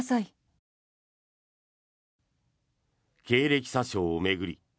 経歴詐称を巡り